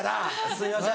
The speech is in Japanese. すいません。